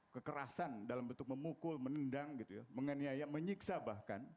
kekerasan dalam bentuk memukul menendang menganyai menyiksa bahkan